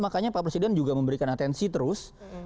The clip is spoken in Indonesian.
makanya pak presiden juga memberikan atensi terus